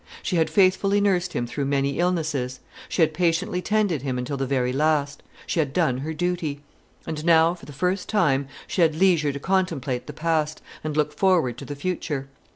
She had faithfully nursed him through many illnesses; she had patiently tended him until the very last; she had done her duty. And now, for the first time, she had leisure to contemplate the past, and look forward to the future.